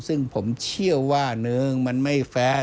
ซึ่งผมเชื่อว่าเนิ้งมันไม่แฟร์